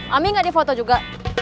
ami nggak di foto juga